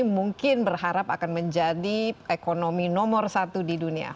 mungkin berharap akan menjadi ekonomi nomor satu di dunia